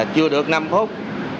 chưa được năm phút